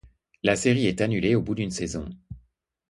La série est annulée au bout d'une saison.